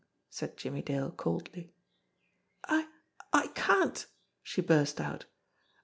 said Jimmie Dale coldly. "I I can't!" she burst out.